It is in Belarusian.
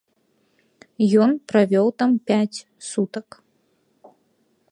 Ён правёў там пяць сутак.